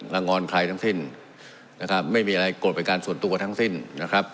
งอนใครทั้งสิ้นนะครับไม่มีอะไรกดเป็นการส่วนตัวทั้งสิ้นนะครับ